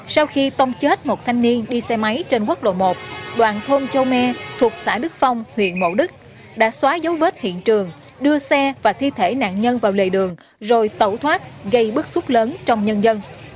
sau khi tông chết một thanh niên đi xe máy trên quốc lộ một đoạn thôn châu me thuộc xã đức phong huyện mộ đức đã xóa dấu vết hiện trường đưa xe và thi thể nạn nhân vào lề đường rồi tẩu thoát gây bức xúc lớn trong nhân dân